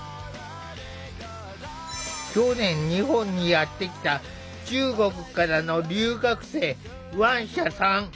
去年日本にやって来た中国からの留学生ワンシャさん。